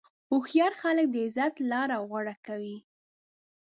هوښیار خلک د عزت لاره غوره کوي.